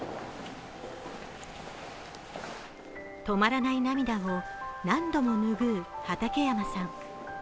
止まらない涙を何度もぬぐう畠山さん。